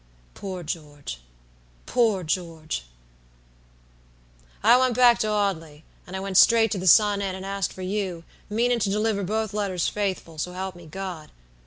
"Poor George! poor George!" "I went back to Audley, and I went straight to the Sun Inn, and asked for you, meanin' to deliver both letters faithful, so help me God!